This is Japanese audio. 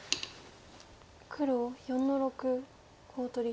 黒４の六コウ取り。